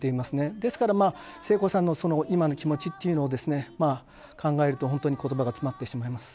ですから、聖子さんの今の気持ちというのを考えると本当に言葉が詰まってしまいます。